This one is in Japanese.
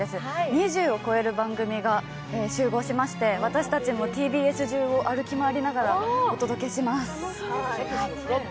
２０を超える番組が集合しまして、私たちもＴＢＳ中を歩き回りながらお届けします。